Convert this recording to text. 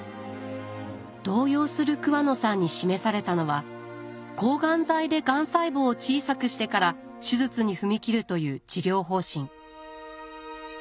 動揺する桑野さんに示されたのは抗がん剤でがん細胞を小さくしてから手術に踏み切るという治療方針。